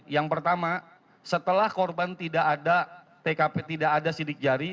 yang pertama setelah korban tidak ada sidik jari